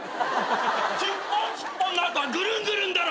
チュッポンチュッポンの後はぐるんぐるんだろ！